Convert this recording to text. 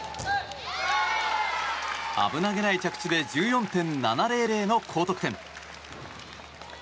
危なげない着地で１４．７００の高得点。